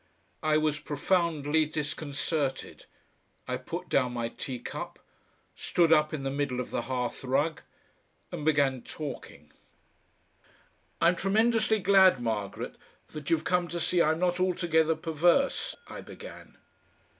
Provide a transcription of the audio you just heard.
I was profoundly disconcerted. I put down my teacup, stood up in the middle of the hearthrug, and began talking. "I'm tremendously glad, Margaret, that you've come to see I'm not altogether perverse," I began.